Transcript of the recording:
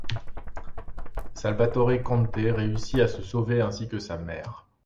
Salvatore Conte réussi à se sauver ainsi que sa mère.